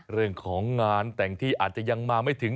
เรื่องของงานแต่งที่อาจจะยังมาไม่ถึง